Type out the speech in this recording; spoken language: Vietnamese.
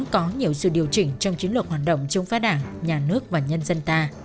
có nhiều sự điều chỉnh trong chiến lược hoạt động chống phá đảng nhà nước và nhân quyền